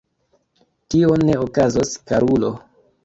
Tio ne okazos, karulo.